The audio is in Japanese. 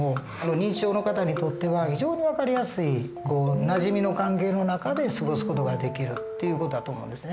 認知症の方にとっては非常に分かりやすいなじみの関係の中で過ごす事ができるっていう事だと思うんですね。